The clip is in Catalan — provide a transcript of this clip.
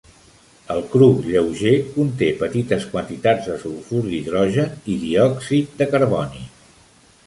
El cru lleuger conté petites quantitats de sulfur d'hidrogen i diòxid de carboni.